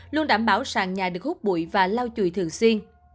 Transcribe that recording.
luôn đảm bảo sàn nhà được hút bụi và lau chùi thường xuyên